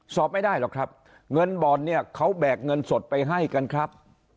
สอบไม่ได้หรอกครับเงินบ่อนเนี่ยเขาแบกเงินสดไปให้กันครับ